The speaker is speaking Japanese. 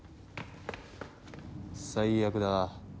最悪だ。